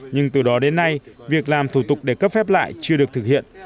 nhưng từ đó đến nay việc làm thủ tục để cấp phép lại chưa được thực hiện